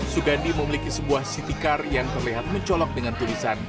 sugandi memiliki sebuah city car yang terlihat mencolok dengan tulisan